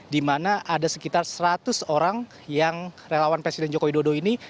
di mana ada sekitar seratus orang yang relawan presiden joko widodo ini